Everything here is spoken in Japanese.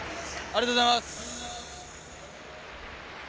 ありがとうございます。